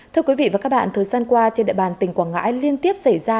thưa quý vị và các bạn thời gian qua trên đại bàn tỉnh quảng ngãi liên tiếp xảy ra